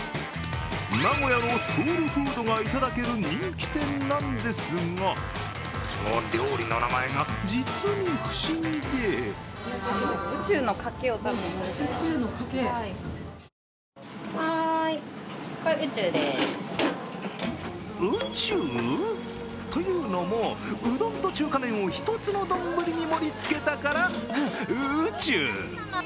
名古屋のソウルフードがいただける人気店なんですが、その料理の名前が実に不思議でうちゅう？というのもうどんと中華麺を一つの丼に盛り付けたから、うちゅう。